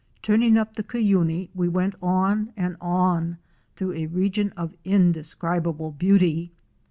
Turning up the Cuyuni we went on and on through a region of indescribable beauty.